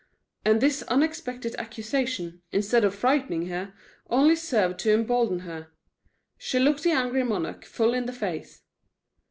And this unexpected accusation, instead of frightening her, only served to embolden her. She looked the angry monarch full in the face.